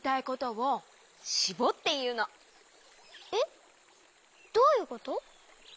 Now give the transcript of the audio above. えっどういうこと？